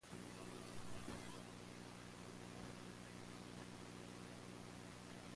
Winchester is served by three Vilas County Trunk Highways.